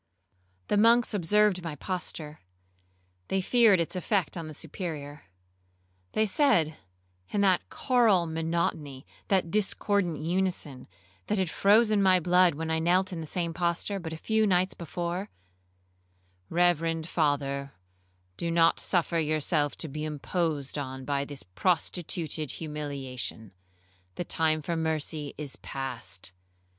The monks observed my posture,—they feared its effect on the Superior. They said, in that choral monotony,—that discordant unison that had frozen my blood when I knelt in the same posture but a few nights before, 'Reverend father, do not suffer yourself to be imposed on by this prostituted humiliation,—the time for mercy is past.